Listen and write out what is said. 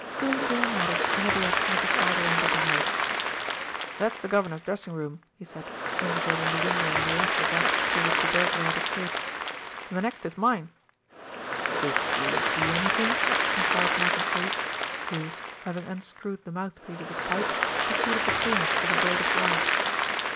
Glanedale nodded in the direction of the farther end of the house. "That's the governor's dressing room," he said, indicating the window on the left of that through which the burglar had escaped, "and the next is mine." "Did you see anything?" enquired Malcolm Sage, who, having unscrewed the mouthpiece of his pipe, proceeded to clean it with a blade of grass.